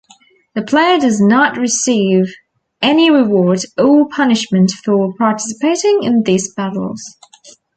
The player does not receive any reward or punishment for participating in these battles.